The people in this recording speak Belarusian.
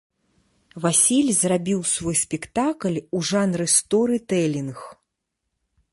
Васіль зрабіў свой спектакль у жанры сторытэлінг.